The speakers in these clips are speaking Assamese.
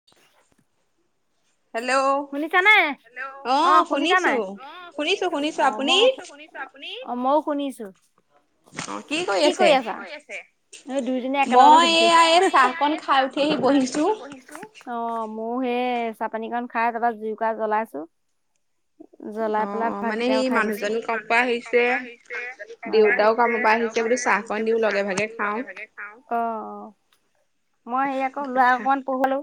[inaudible] শুনিছা নে? হেল্ল' অ', শুনিছা নাই? অ', শুনিছো অ', মই কো শুনিছ অ', মইও শুনিছোঁ। [inaudible] কি কৰি আছা? দুইজনীয়ে একেলগতে মই সুধিছোঁ। এইয়া এই চাহকন খাই উঠি অকন আহি খাই উঠি বহিছো। আহি বহিছোঁ। অ', ময়ো সেই চাহপানীকন খাই তাৰপৰা জুই কুৰা জ্বলাইছো। জ্বলাই পেলাই অ' মানে ভাতকেইটা সেই উঠাই দিছোঁ। মানুহজনো এই কামৰ মানুহ পৰা জন কামৰ আহিছে। পৰা আহিছে তাৰপিছত দেউতাও চাহ কন দিও লগে ভাগে খাওঁ। অ', - অ', মই সে আকৌ ল'ৰা কথা। অকণমান পঢ়ালো।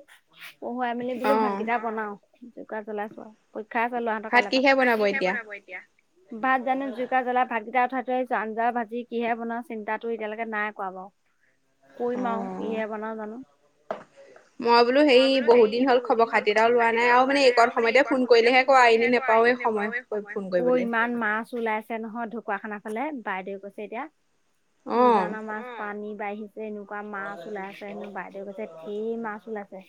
পঢ়ৱাই মেলি বোলো অ' ভাতকেইটা বনাও, চৌকা জ্বলাইছো আৰু। পৰীক্ষা আছে লৰাটোৰ কাইলৈৰ পৰা। ভাত কিহে বনাব এতিয়া? ভাত জানো জুইকুৰা জ্বলাই ভাতকেইটা উঠাই থৈ আহিছো আঞ্জা ভাজি কিহে বনাওঁ, চিন্তা এতিয়া লৈকে নাই কৰা বাৰু। কৰিম আৰু অ' কিহে বনাও জানো। মই বোলো সেই বহুত দিন হ'ল খবৰ এটা আৰু লোৱা নাই আৰু মানে এইকণ সময়তে ফোন কৰিলেহে কৰা এনে নেপাওৱে- সময়। অ', ইমান মাছ ওলাইছে ছে নহয় ঢকুৱাখানা ফালে বাইদেউ কৈছে এতিয়া, অ' উজানা মাছ পানী বাঢ়িছে। যে এনেকুৱা মাছ ওলাইছে হেনো বাইদেউ কৈছে ধেৰ মাছ ওলাইছে।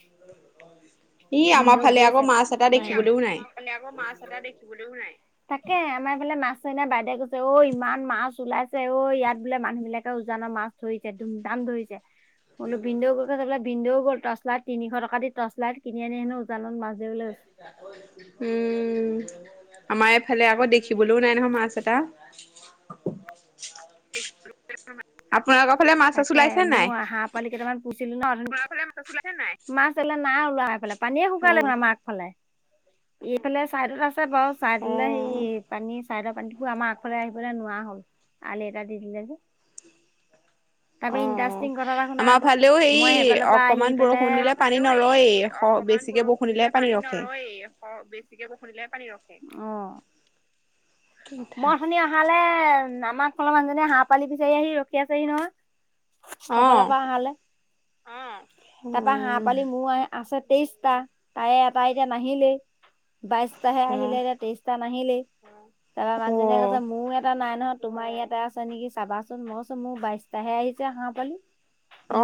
ই আমা ফালে আকৌ মাছ এটা দেখিবলৈও নাই। ইফালে আকৌ মাছ এটা দেখিবলৈও নাই। তাকে আমাৰ এইফালে মাছ নাই না বাইদেউ কৈছে ঐ ইমান মাছ ওলাইছে ঐ ইয়াত বোলে মানুহ বিলাকে উজানৰ মাছ। ধৰিছে ধুম ধাম ধৰিছে বোলো ভিনদেউ গল তাতে বোলে ভিনদেউ গ'ল টচ লাইট তিনিশ ট। কা দি টচ লাইট কিনি আনি হেনো উজানত মাছ ধৰিবলৈ গৈছে। উম আমাৰ এইফালে আকৌ দে। খিবলৈও নাই নহয় মাছ এটা। আপোনালোকৰ ফালে মাছ চাছ তাকে ওলাইছে মোৰ নাই। হাঁহ পোৱালি কেইটামান পুহিছিলো ন তোমাৰ ফালে মাছ চাছ ওলাইছে নাই মাছ এই ফালে নাই ওলোৱা পানীয়ে অ শুকালে দেখোন আমা। ফালে এইফালে চাইডত আছে বাৰু অ চাইডলে সেই পানী। চাইডৰ পানীবোৰ আমাৰ আগফালে আহিবলৈ নোৱা হ'ল। আলি এটা দি দিলে যে। তাৰপৰা অ ইন্টাৰেষ্টিং কথা এটা শুনা আমাৰ আকৌ ফালেও হেৰি মই সেইফালৰ পৰা আহি অকমান পেলাই। বৰষুণ দিলে আমাৰ পানী ফালেও সেই নৰয়েই অকমাণ বেছিকে বৰষ বৰষুণ তেতিয়া দিলেহে পানী ৰখে নৰৈয়েই। বেছিকে খুন্দিলেহে পানী ৰখে [unintelligible] অহ মই শুনীয়া ফালে আমাৰ ফালৰ মানুহজনীয়ে হাঁহ পোৱালি বিচাৰি আহি ৰখি আছেহি নহয়। অ ক ফাল পা হেৰালে উম তাপা পৰা হাঁহ উম পোৱালি মোৰ আছে তেইশ। টা তাৰে এটা এতিয়া নাহিলেই বাইশটাহে অ আহিলে এতিয়া তেইশটা। নাহিলেই হয় তাপা অ মানুহজনীয়ে কৈছে মোৰ এটা নাই নহয় তোমাৰ ইয়াত। তাতে আছে নেকি চাবাচোন মই কৈছো মোৰ বাইশটাহে আহিছে হাঁহ পোৱালি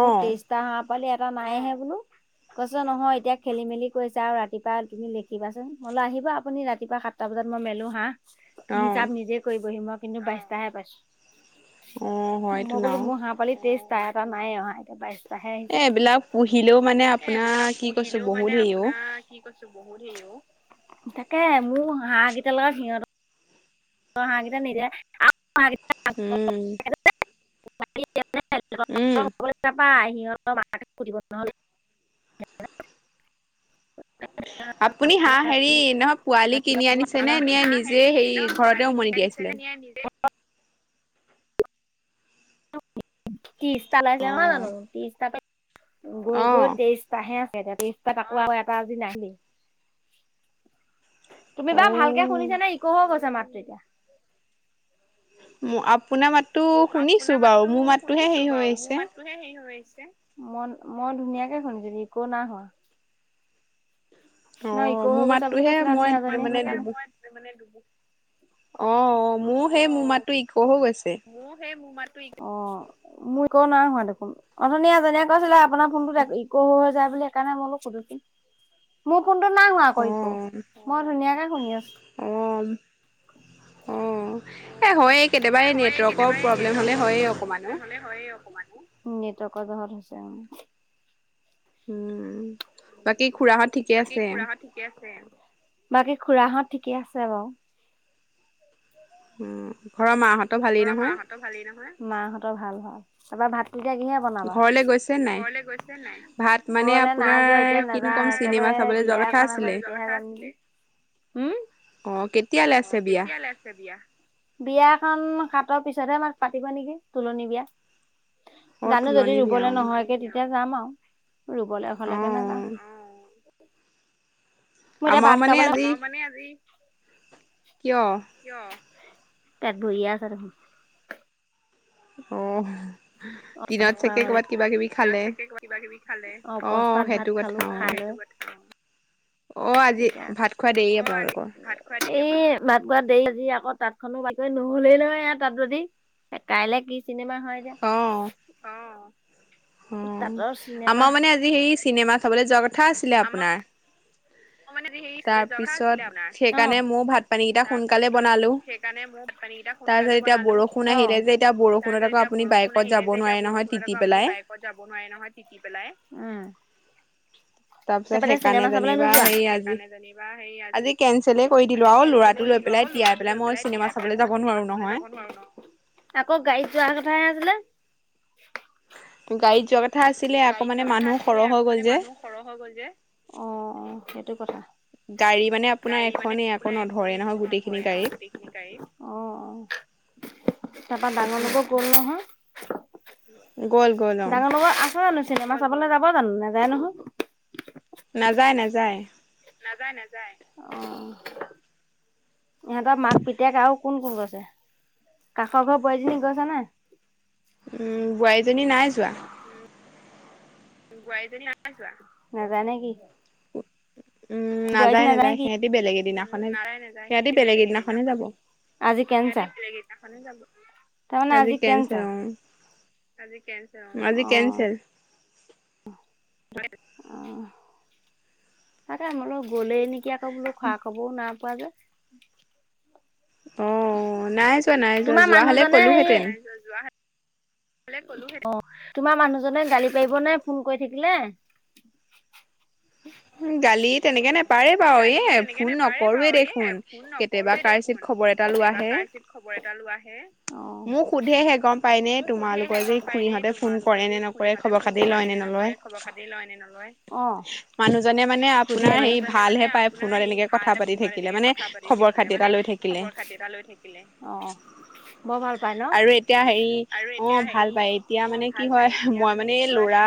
মোৰ তেইশটা হাঁ। পোৱালি এটা নাই হে বোলোঁ। কৈছে নহয় এতিয়া খেলি মেলি কৰিছে আও ৰাতিপুৱা তুমি লেখিবাচোন মই‌বোলো আহিবা আপুনি ৰাতিপুৱা সাত। টা বজাত মই মেলো হাঁহ অ হিচাপ নিজে কৰিবহি মই কিন্তু অহ বাইশটাহে পাইছোঁ। অ হয়তো মই ন বোলো মোৰ হাঁহ পোৱালি তেইশটা এটা নাই অহা এতিয়া বাইশ। এ এইবিলাক পুহিলেও মানে আপোনাৰ কি কৈছো বহুত হেৰি আও। কি কৈছে বহুত হেই অও তাকে মোৰ হাঁহ কেইটা লগত সিহঁত। আও হাঁহ নিজে আও হাঁহ কেইটা ক ক উম এজ। উম [unintelligible] এহ। আপুনি হাঁহ হেৰি নহয় পোৱালি কিনি আনিছে নে আপুনি নে নিজে হেৰি ঘৰতে উমনি দিয়াইছিলে। ত্ৰিশটা ওলাইছিলে নহয় জানো অ'। ত্ৰিশটা গৈ গৈ তেইশ। টাহে আছে এতিয়া। তেইশটো অহ তাকো এটা আজি নাহিলেই। তুমি বাও ভালকে শুনিছানে, ইক হৈ গৈছে মাতটো এতিয়া? মো, আপোনাৰ মাতটো শুনিছোঁ বাও মোৰ মাতটোহে হেৰি হৈ আহিছে। টো হে হেৰি হৈ আহিছে। মন, মই ধুনীয়াকে শুনিছোঁ ইক' নাই হোৱা। নাই, অ' ইক' হৈ মোৰ গৈছে বুলি মাতটোহে কৈছিলে আপুনি মই আগতে মানে বানী‌‌পানী‌‌য়ে হয় গোটেই মানে‌ ডুবো। অহ। মোৰ সেই মোৰ মাতটো ইক' হৈ গৈছে। মোৰ সেই মোৰ মাতটো ইক'। অহ'মোৰ ইক' নাই হোৱা দেখোন। অথনি এজনীয়ে কৈছিলে। আপোনাৰ ফোনটো যে ইক' হৈ হৈ যায় বুলি, সেইকাৰণে মই বোলো সুধিছো চোন। মো ফোনটো নাই হোৱা আকৌ ইক', মই ধুনীয়াকে শুনি আছোঁ। অম, অহ। এ, হয়েই কেতিয়াবা, এই নেটৱৰ্কৰ প্ৰব্লেম হ'লে হয়েই অকমান অ। হয়েই অকমান অ নেটৱৰ্কৰ যহত হৈছে, উম। উম, বাকী খুড়াহঁত ঠিকে আছে? ঠিকে আছে বাকী, খুড়াহঁত ঠিকেই আছে বাও। উম, ঘৰৰ মাহঁতৰ ভালেই নহয়? মাহঁতৰ ভাল ভাল। তাপা ভাতটো এতিয়া কিহে বনাবা? ঘৰলে গৈছে নাই? ঘৰলে গৈছেনে নাই? ভাত মানে ঘৰলে নাই যোৱা। আপোনাৰ এতিয়া কিনো ক'ম নাযাওঁ। চিনেমা একেবাৰে চাবলৈ যোৱা বিয়া কথা এখন আছিলে। [unintelligible] উম অ', কেতিয়ালে আছে বিয়া? [unintelligible] বিয়া? বিয়াখন সাতৰ পিছতহে আমাক পাতিব নিকি, তোলনী বিয়া। অ' জানো যদি তোলনি বিয়া ৰুবলে অ'। নহয়গে, তেতিয়া যাম আৰু, ৰুবলে হলেগে অ' নাযাওঁ। মোৰ এতিয়া আমাৰ ভাত মানে খাবলে, [unintelligible] আজি কিয়? পেট কিয়? ভৰিয়ে আছে দেখোন। অহ। [unintelligible] খোৱা হল, [unintelligible] কিবা-কিবি খালে? অ', বস্তাত ভাত সেইটো কথা খালোঁ। অ'। [inaudible] অ', আজি ভাত খোৱা দেৰি আপোনালোকৰ? এই ভাত খোৱা দেৰি আজি, আকৌ তাঁতখনো বাতি কৰি, নহলেই নহয় এয়া তাঁত বাতি। এ, কাইলে কি চিনেমা হয় এতিয়া, অ' অ', অ'। তাঁতৰ চিনেমা। আমাৰ মানে আজি হেৰি চিনেমা চাবলৈ যোৱা কথা আছিলে আপোনাৰ। তাৰপিছত, অ সেইকাৰণে ময়ো ভাত পানীকেইটা সোনকালে বনালোঁ। সেইকাৰণে ময়ো ভাত পানীকেইটা তাৰপিছত সোনকালে এতিয়া বনালোঁ। বৰষুণ আহিলে অ', যে এতিয়া চাৰে বৰষুণত আকৌ চাৰিটা আপুনি বাইকত যাব নোৱাৰে নহয় তিতি পেলাই। বাইকত যাব নোৱাৰে নহয় তিতি পেলাই। উম। তাৰপিছত তাপা এতিয়া সেইকাৰণে চিনেমা চাবলৈ যেনিবা নোযোৱা? হেৰি আজি সেইকাৰণে যেনিবা হেৰি আজি, কেনচেলেই কৰি দিলো আজি আৰু কেঞ্চেলে ল'ৰাটো কৰি লৈ দিম। পেলাই নোৱাৰো, তিয়াই ল'ৰাটো লৈ মই পেলাই চিনেমা তিয়াই চাবলৈ পেলাই, যাব মই নোৱাৰো চিনেমা চাবলৈ নহয়। যাব নোৱাৰো নহয়। আকৌ, গাড়ীত যোৱা কথাহে আছিলে। গাড়ীত যোৱা কথা আছিলে, আকৌ মানে মানুহ সৰহ হৈ গ'ল যে। অ', অ', সেইটো কথা। গাড়ী মানে আপোনাৰ এখনে আকৌ, নধৰে নহ নধৰে নহয় গোটেইখিনি গাড়ীত। অ', অ'। তাৰপা ডাঙৰ সেইটো নবৌ কথা। গ'ল নহয়? গ'ল গ'ল অ ডাঙৰ নবৌ আছে জানো? চিনেমা চাবলে যাব জানো, নাযায় নহয়? নাযায়, নাযায়। নাযায়, নাযায়। অ'। ইহঁতৰ মাক পিতেক আৰু কোন কোন গৈছে? কাষৰ ঘৰৰ বোৱাৰীজনী গৈছেনে নাই? উম, বোৱাৰীজনী নাই যোৱা। উম। নাযায় নেকি? উম বোৱাৰী নাযায় নাযায় নাজায় কি? সিহঁতি বেলেগ উম, এদিনাখনহে নাযায় নাযায় সিহটি বেলেগ এদিনাখন যাব। আজি কেনচেল, [unintelligible] যাব। তাৰ মানে আজি কেনচেল। আজি কেনচেল আজি অ'। অ'। কেনচেল অ'। তাকে মই বুলো গলেই নেকি আকৌ বোলো খা খবৰো নাই পোৱা যে। অ', নাই যোৱা, নাই যোৱা, যোৱা হলে কলোহেঁতেন। যোৱা [unintelligible] অ', তোমাৰ মানুহজনে গালি পাৰিব নে ফোন কৰি থাকিলে? গালি তেনেকে নে পাৰে বাৰু এ ফোন নকৰোৱে দেখোন কেতিয়াবা কাচিত খবৰ এটা লোৱা হে খবৰ এটা লোৱাহে সোধেহে গম পায়নে মোক সোধে তোমালোকৰ হে যে গম পাই ন খুৰীহঁতে ফোন কৰে তোমালোকৰ নে যে খুৰী নকৰে হতে খবৰ ফোন খাতি লয় কৰে নে নলয় নকৰে খবৰ খাতি লয় নে নলয় অ মানুহজনে মানে আপোনাৰ হেৰি মানে মানে ভালহে পায় আপোনাৰ ফোনত সেই এনেকে ভাই কথা পাতি ফোনত থাকিলে এনেকে মানে কথা পাতি খবৰ থাকিলে খাতি মানে এটা লৈ থাকিলে খবৰ খাতি এটা লৈ থাকিলে অ বৰ ভাল পাই ন আৰু এতিয়া হেৰি আৰু এতিয়া অ ভাল হেৰি পায় এতিয়া মানে কি হয় মই মানে এই ল'ৰা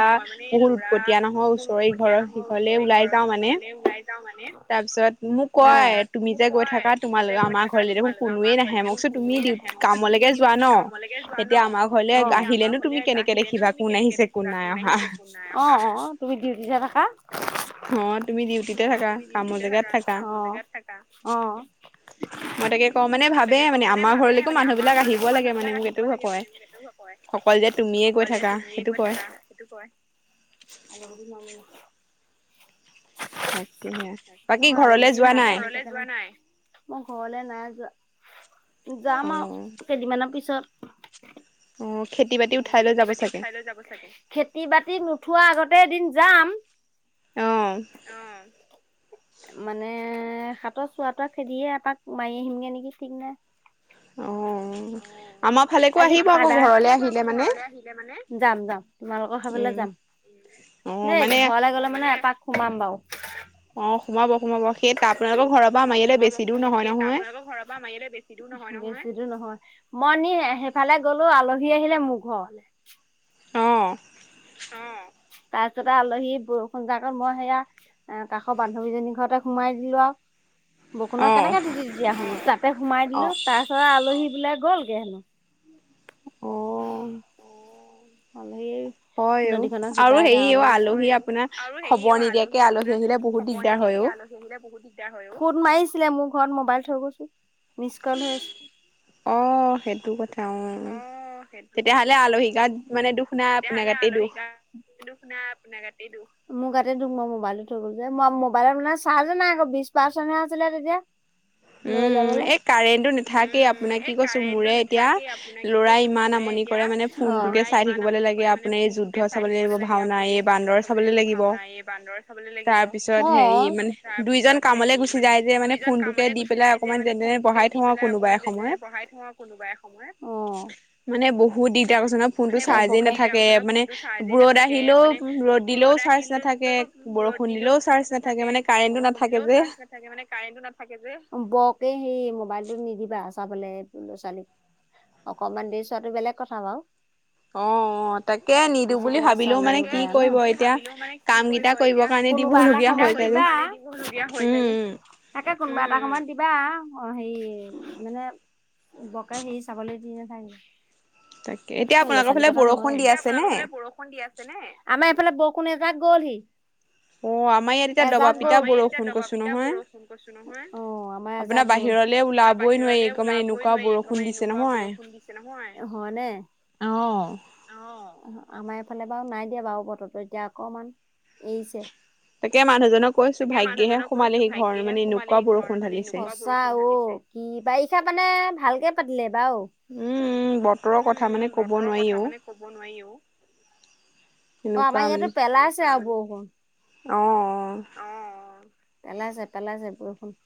বহুত উৎপতীয়া নহয় ওচৰে ঘৰৰ ঘৰলে ওলাই যাওঁ মানে লৈ যাও মানে তাৰপিছত মোক কয় তুমি যে গৈ থাকা তোমাৰ আমাৰ ঘৰলৈ কোনোৱে নাহে মই কৈছোঁ তুমি কামলৈকে যোৱা ন এতিয়া আমাৰ ঘৰলৈ এতিয়া আহিলে নো তুমি কেনেক কেনেকে দেখিবা কোন আহিছে কোন নাই অহা কোন অ অ তুমি ডিউটি তে থাকা অ তুমি ডিউটিতে থাকা কামৰ জেগাত থাকা অ' অ' মই তাকে কওঁ মানে ভাবে মানে আমাৰ ঘৰলৈকো মানুহ বিলাক আহিব লাগে মানে মোক এইটো কয় এইটো কয়। অকল যে তুমিযে গৈ সেইটো কয়। আৰু দি নান [unintelligible] তাকেহে বাকী আমাৰ ঘৰলে আলুগুটিও যোৱা দালি নাই? মই ঘৰলে নাই যোৱা অ যাম আৰু কেইদিন মান পিছত অ খেতি বাতি উঠাই লৈ যাব চাগে যাব চাগে খেতি বাতি নথোৱাৰ আগতে এদিন যাম অ অ মানে হাতৰ চোৱা তোৱা খেদিয়ে আপাক মাৰি আহিমগে নেকি ঠিক নাই। অ আমাৰ ফালেকো আহিব আকৌ ঘৰলে আহিলে মানে ঘৰলৈ আহিলে মানে যাম যাম তোমালোকৰ ঘৰলৈ উম যাম অ দেই মানে ঘৰ ঘৰলে গলে মানে এপাক সোমাম বাৰু। অ সোমাব সোমাব সেই আপোনালোকৰ ঘৰৰ পৰা মাৰিলে বেছি দূৰ নহয় নহয় ঘৰ পৰা মাৰিলে বেছি দূৰ নহয় মই নি সেইফালে গলো আলহী আহিলে মোৰ ঘৰলৈ অঁ তাৰপিছতে আলহী বৰষুণ জাকত মই সেয়া কাষৰ বান্ধৱীজনী ঘৰতে সোমাই দিলো আৰু বৰষুণত অ কেনেকে তিতি তিতি আহো তাতে সোমাই অ তাৰ তাৰপিছত আলহী বিলাক গল গে হেনো অ সমিৰ হয় অ, আৰু হেৰি অ, আলহী আপোনাৰ খবৰ নিদিয়াকে আলহী আহিলে বহুত দিগদাৰ হয় অ, লে বহুত দিগদাৰ হয় অ, ফোন মাৰিছিলে মোৰ ঘৰত মবাইল থৈ গৈছো মিচ কল হৈ আছে। অ, সেইটো কথা অ, তেতিয়াহ'লে আলহী গাত মানে দুখ নাই আপোনাৰ তেতিয়াহ'লে গাতেই আলহী দুখ গাত মানে দুখ নাই আপোনাৰ গাতেই মোৰ গাতে দুখ মই মোবাইলত থৈ গলো যে মই মোবাইলত মানে চাৰ্জো নাই আকৌ বিশ পাৰ্চেন্টহে আছিলে তেতিয়া। [unintelligible] লৈ উম উ, যাবলে এই কাৰেণ্টটো নাথাকেই আপোনাক কি কৈছো মোৰে এতিয়া ল'ৰাই ইমান আমনি কৰে মানে ফোনটোকে চাই থাকিবলে লাগে। কৰে মানে আপোনাৰ এই যুদ্ধ ফোনটোকে চাই চাবলৈ লাগিব থাকিবলৈ লাগে ভাওনা আপোনাৰ এই যুদ্ধ বান্দৰ চাবলে চাবলৈ লাগিব ভাওনা এই বান্দৰ চাবলৈ লাগি গিব, তাৰ পিছত অ অ হেৰি অ, মানে দুইজন তাৰপিছত কামলে হেৰি গুচি মানে যায় যে দুইজন কাষত ফোনটোকে মলে দি গুচি পেলাই যায় যে অকমান মানে যেনে ফোন তেনে টোকে বঢ়াই দি থওঁ আৰু পেলাই কোনোবা অকমান যেন তেনে সময়ত বহাই থওঁ আৰু কোনোবা এসময়ত। মানে বহুত দিগদাৰ কৈছো নহয় ফোনটোত তাকে চাৰ্জে বকে নেথাকে। কে মানে এ এ ৰ'দ আহিলেও উম ৰ'দ দিলেও চাৰ্জ নাথাকে বৰষুণ দিলেও চাৰ্জ নাথাকে মানে কাৰেণ্টটো নাথাকে যে। সঁচাকে মানে কাৰেণ্টো নাথাকে যে বৰকে সেই মোবাইল টো নিদিবা চাবলে ল'-ছোৱালীক। অকণমান দেৰি চোৱাটো বেলেগ কথা বাৰু। অ অ অ অ আ। তাকে নিদো বুলি বেছিকে ভাবিলেও চালেও মানে কি বেয়া কৰিব ন এতিয়া কাম কেইটা কৰিবৰ কাৰণে দিব লগীয়া হৈ যায় যে। দিবলগীয়া হৈ যায় যে উম উম তাকে কোনোবা এটা সময়ত দিবা অ, হেৰি মানে বৰকে হেৰি চাবলৈ দি নেথাকিবা। তাকে এতিয়া আপোনালোকৰ ফালে বৰষুণ দি আছে নে? বৰষুণ দি আছে নে? আমাৰ এইফালে বৰষুণ এজাক গ'লহি। অ, আমাৰ ইয়াত এতিয়া অ', দবা পিতা বৰষুণ কৈছো নহয়। অ আমাৰ এজাক আপোনাৰ গ'ল বাহিৰলৈ ওলাবই নোৱাৰি একদমে মানে এনেকুৱা বৰষুণ দিছে নহয়। আহ অ অ। অ, আমাৰ এইফালে বাৰু নাই দিয়া বাৰু বতৰটো এতিয়া অকমান এৰিছে। তাকে মানুহজনক কৈছো ভাগ্যেহে সোমালেহি ঘৰ মানে এনেকুৱা বৰষুণ ঢালিছে। সঁচা অ' অ' কি বাৰিষা মানে ভালকে পাতিলে এইবাৰ অ। উম-উম, বতৰৰ কথা মানে ক'ব নোৱাৰি অ'। নোৱাৰি অ'। অ, এনেকুৱা আমাৰ মানে ইয়াতো পেলাইছে আৰু বৰষুণ। অ', অ'। অ অ, পেলাইছে-পেলাইছে বৰষুণ।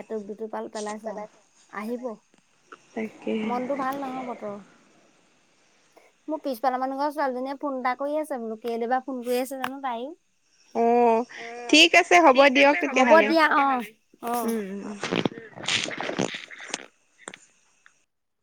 এটোপ দুটোপাল পেলাইছে আৰু আহিব তাকে মনটো ভাল নহয় বতৰৰ। মোৰ পিছফালৰ মানুহ ঘৰৰ ছোৱালীজনীয়ে ফোন এটা কৰি আছে বোলো কেলে বা ফোন কৰি আছে জানো তাইও। অ', উম উ, ঠিক আছে হ'ব ঠিক দিয়ক আছে হ'ব তেতিয়াহ'লে দিয়া অ অ উম।